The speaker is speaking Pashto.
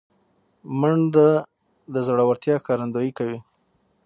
منډه د زړورتیا ښکارندویي کوي